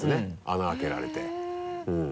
穴開けられて。